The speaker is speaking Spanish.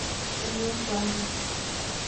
Lyon, Francia.